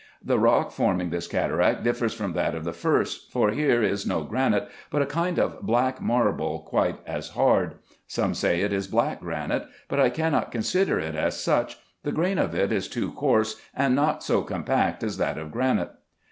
The rock forming this cataract differs from that of the first, for here is no granite, but a kind of black marble quite as hard. Some say it is black granite, but I cannot consider it as such : the grain of it is too coarse, and not so compact as that of granite.